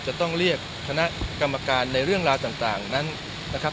จะต้องเรียกคณะกรรมการในเรื่องราวต่างนั้นนะครับ